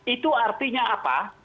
itu artinya apa